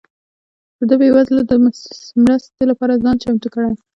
ده بيوزلو ده مرستي لپاره ځان چمتو کړئ